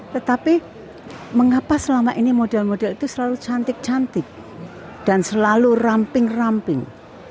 tetapi mengapa selama ini model model itu selalu cantik cantik dan selalu ramping ramping